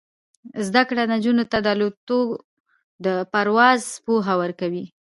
زده کړه نجونو ته د الوتکو د پرواز پوهه ورکوي.